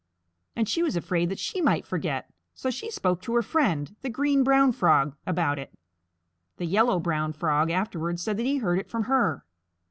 And she was afraid that she might forget, so she spoke to her friend, the Green Brown Frog, about it. The Yellow Brown Frog afterward said that he heard it from her.